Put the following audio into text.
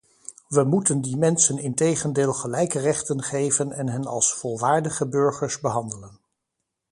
Wij moeten die mensen integendeel gelijke rechten geven en hen als volwaardige burgers behandelen.